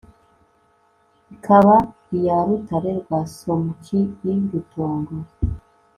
Ikaba iya Rutare rwa SOMUKI i Rutongo